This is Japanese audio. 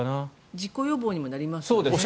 事故予防にもなりますよね。